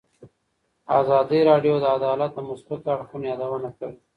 ازادي راډیو د عدالت د مثبتو اړخونو یادونه کړې.